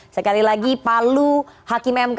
sekali lagi palu hakim mk